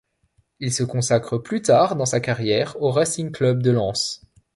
Il se consacre plus tard dans sa carrière au Racing Club de Lens.